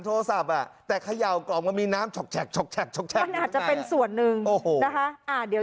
โทรศัพท์อ่ะแต่เขย่ากล่องมันมีน้ำฉกมันอาจจะเป็นส่วนหนึ่งโอ้โหนะคะเดี๋ยว